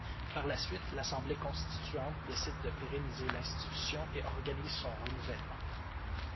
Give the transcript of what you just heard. Par la suite, l'assemblée constituante décide de pérenniser l'institution et organise son renouvellement.